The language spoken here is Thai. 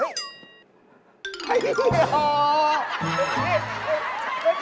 เฮ่ยพี่ห่อ